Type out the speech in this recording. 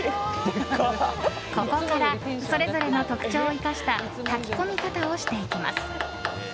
ここからそれぞれの特徴を生かした炊き込み方をしていきます。